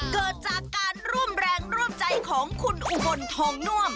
เกิดจากการร่วมแรงร่วมใจของคุณอุบลทองน่วม